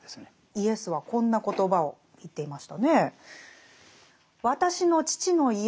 イエスはこんな言葉を言っていましたねえ。